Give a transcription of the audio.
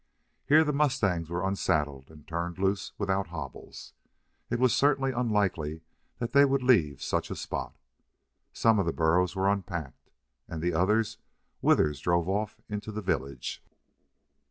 Here the mustangs were unsaddled and turned loose without hobbles. It was certainly unlikely that they would leave such a spot. Some of the burros were unpacked, and the others Withers drove off into the village.